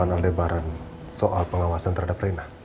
pak naldebaran soal pengawasan terhadap rina